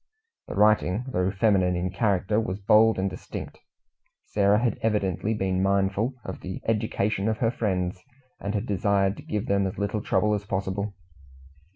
The writing, though feminine in character, was bold and distinct. Sarah had evidently been mindful of the education of her friends, and had desired to give them as little trouble as possible.